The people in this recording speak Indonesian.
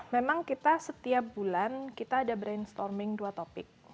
memang kita setiap bulan kita ada brainstorming dua topik